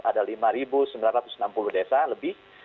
ada lima sembilan ratus enam puluh desa lebih